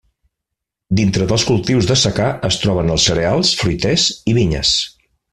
Dintre dels cultius de secà es troben els cereals, fruiters i vinyes.